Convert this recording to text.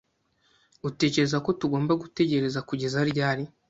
Utekereza ko tugomba gutegereza kugeza ryari?